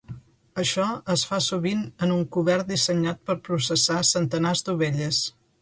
Això es fa sovint en un cobert dissenyat per processar centenars d'ovelles.